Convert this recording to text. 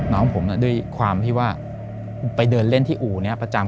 น้องผมด้วยความที่ว่าไปเดินเล่นที่อู่นี้ประจำ